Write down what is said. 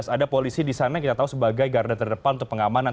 ada polisi di sana yang kita tahu sebagai garda terdepan untuk pengamanan